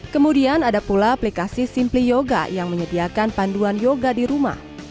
kemudian ada pula aplikasi simply yoga yang menyediakan panduan yoga di rumah